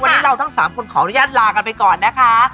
วันนี้เราทั้ง๓คนขออนุญาตลากันไปก่อนนะคะ